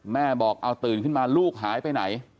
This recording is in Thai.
แม่บอกเอาตื่นขึ้นมาลูกหายไปไหน